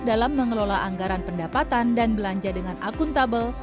dalam mengelola anggaran pendapatan dan belanja dengan akuntabel